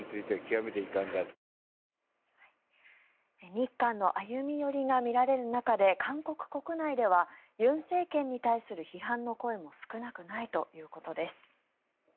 日韓の歩み寄りが見られる中で韓国国内では尹政権に対する批判の声も少なくないということです。